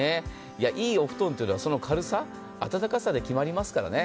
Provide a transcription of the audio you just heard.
いいお布団というのはその軽さ、暖かさで決まりますからね。